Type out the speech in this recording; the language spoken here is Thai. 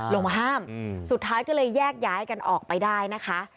ลงมาห้ามสุดท้ายก็เลยแยกย้ายกันออกไปได้นะคะ